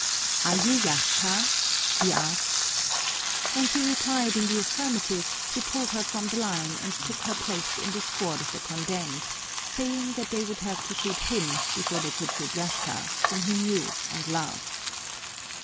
"Are you Yashka?" he asked. When she replied in the affirmative he pulled her from the line and took her place in the squad of the condemned, saying that they would have to shoot him before they could shoot Yashka whom he knew and loved.